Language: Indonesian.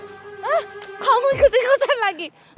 hah kamu ikut ikutan lagi